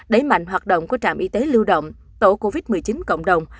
đẩy mạnh hoạt động của trạm y tế lưu động tổ covid một mươi chín cộng đồng